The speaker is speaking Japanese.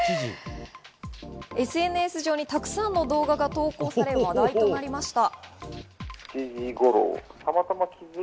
ＳＮＳ上にたくさんの動画が投稿され、話題となりました。